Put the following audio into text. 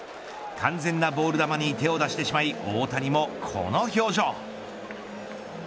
完全なボール球に手を出してしまい大谷もこの表情。